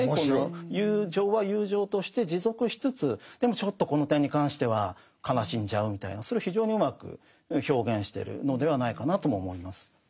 友情は友情として持続しつつでもちょっとこの点に関しては悲しんじゃうみたいなそれを非常にうまく表現してるのではないかなとも思います。